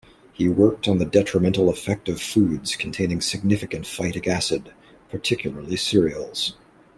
He worked on the detrimental effect of foods containing significant phytic acid, particularly cereals.